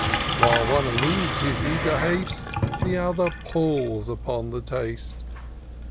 99 While one eludes his eager haste^ The other palls upon the taste.